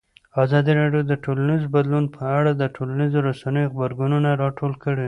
ازادي راډیو د ټولنیز بدلون په اړه د ټولنیزو رسنیو غبرګونونه راټول کړي.